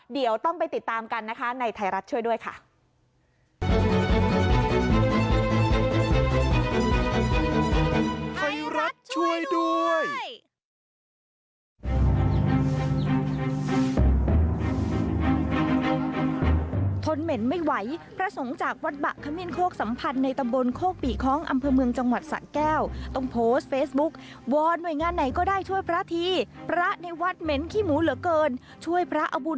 เดี๋ยวต้องไปติดตามกันนะคะในไทยรัฐช่วยด้วยค่ะ